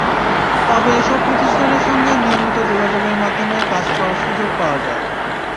তবে এসব প্রতিষ্ঠানের সঙ্গে নিয়মিত যোগাযোগের মাধ্যমে কাজ করার সুযোগ পাওয়া যায়।